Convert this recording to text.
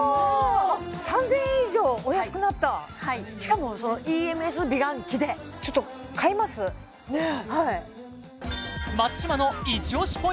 ３０００円以上お安くなったはいしかもそのＥＭＳ美顔器でちょっと買いますねえ